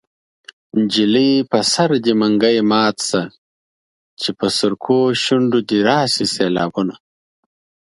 نجلۍ په سر دې منګی مات شه چې په سرکو شونډو دې راشي سېلابونه